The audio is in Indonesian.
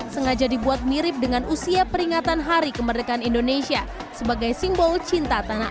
sengaja dibuat mirip dengan usia peringatan hari kemerdekaan indonesia sebagai simbol cinta tanah air